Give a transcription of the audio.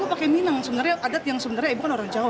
aku pakai minang sebenarnya adat yang sebenarnya ibu kan orang jawa